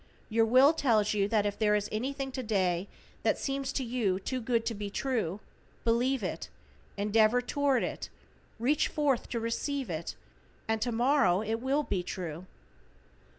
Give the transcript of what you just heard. Your Will tells you that if there is anything to day that seems to you too good to be true, believe it, endeavor toward it, reach forth to receive it, and tomorrow it will be true.